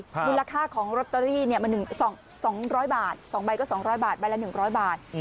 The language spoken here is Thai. มูลค่าของลอตเตอรี่มัน๒๐๐บาท๒ใบก็๒๐๐บาทใบละ๑๐๐บาท